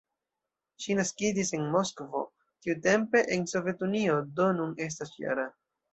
Ŝi naskiĝis en Moskvo, tiutempe en Sovetunio, do nun estas -jara.